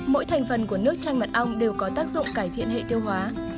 mỗi thành phần của nước chanh mật ong đều có tác dụng cải thiện hệ tiêu hóa